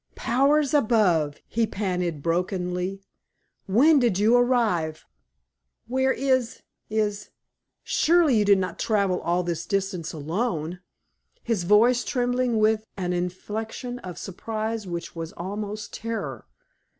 "Powers above!" he panted, brokenly. "When did you arrive? Where is is Surely you did not travel all this distance alone!" his voice trembling with an inflection of surprise which was almost terror.